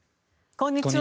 こんにちは。